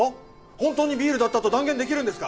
本当にビールだったと断言できるんですか？